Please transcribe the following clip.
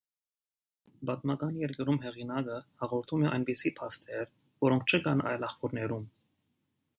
Պատմական երկերում հեղինակը հաղորդում է այնպիսի փաստեր, որոնք չկան այլ աղբյուրներում։